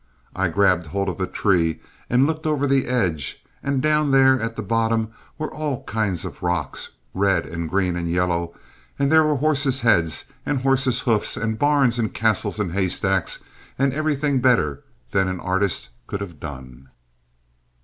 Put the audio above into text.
I grabbed hold of a tree and looked over the edge, and down there at the bottom were all kinds of rocks, red and green and yellow, and there were horses' heads and horses' hoofs and barns and castles and haystacks and everything better than an artist could have done."